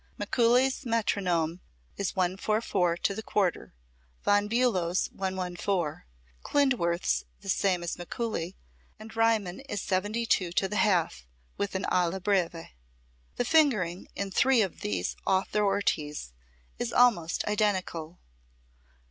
Mikuli's metronome is 144 to the quarter, Von Bulow's, 114; Klindworth's, the same as Mikuli, and Riemann is 72 to the half, with an alla breve. The fingering in three of these authorities is almost identical.